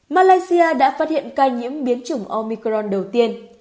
malaysia đã phát hiện ca nhiễm biến chủng omicron đầu tiên